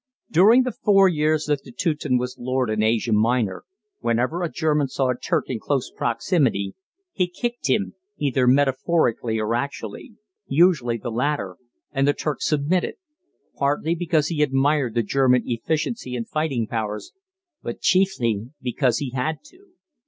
During the four years that the Teuton was lord in Asia Minor, whenever a German saw a Turk in close proximity he kicked him, either metaphorically or actually, usually the latter, and the Turk submitted partly because he admired the German efficiency and fighting powers, but chiefly because he had to.